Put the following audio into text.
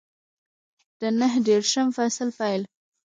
د نهه دېرشم فصل پیل